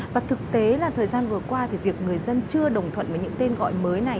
và thực tế là thời gian vừa qua thì việc người dân chưa đồng thuận với những tên gọi mới này